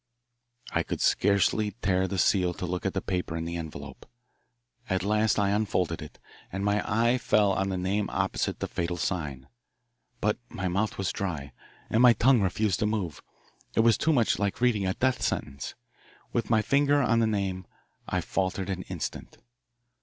I could scarcely tear the seal to look at the paper in the envelope. At last I unfolded it, and my eye fell on the name opposite the fatal sign. But my mouth was dry, and my tongue refused to move. It was too much like reading a death sentence. With my finger on the name I faltered an instant.